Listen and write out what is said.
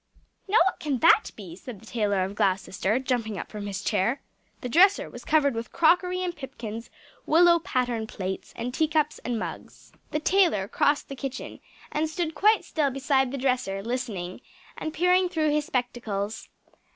_ "Now what can that be?" said the Tailor of Gloucester, jumping up from his chair. The dresser was covered with crockery and pipkins, willow pattern plates, and tea cups and mugs. The tailor crossed the kitchen, and stood quite still beside the dresser, listening, and peering through his spectacles.